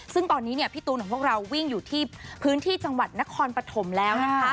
ซึ่งตอนนี้พี่ตูนของพวกเราวิ่งอยู่ที่พื้นที่จังหวัดนครปฐมแล้วนะคะ